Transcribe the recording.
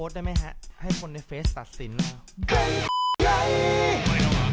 ได้มั้ยฮะให้คนในเฟสตัดสินแล้ว